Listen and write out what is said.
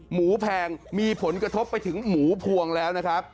แพงมีผลกระทบไปถึงหมูพวงแล้วนะครับ